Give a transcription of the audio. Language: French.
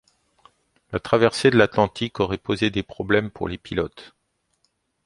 La traversée de l'Atlantique aurait posé des problèmes pour les pilotes.